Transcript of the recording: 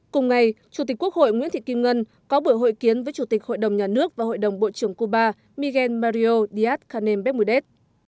cùng ngày chủ tịch quốc hội nguyễn thị kim ngân có buổi hội kiến với chủ tịch hội đồng nhà nước và hội đồng bộ trưởng cuba miguel mario díaz canem becmudet